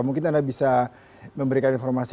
mungkin anda bisa memberikan informasi